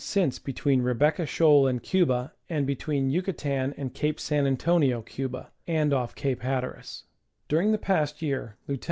since between Rebecca Shoal and Cuba, and between Yucatan and Cape San Antonio (Cuba), and off Cape Hatteras, During the past year Lieut.